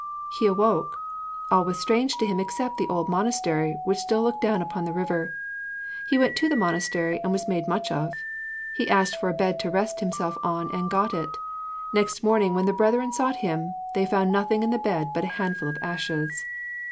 He awoke. All was strange to him except the old monastery, which still looked down upon the river. He went to the monastery, and was made much of. He asked for a bed to rest himself on and got it. Next morning when the brethren sought him, they found nothing in the bed but a handful of ashes.